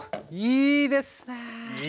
いいですね！